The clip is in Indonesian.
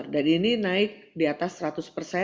dan ini naik di atas seratus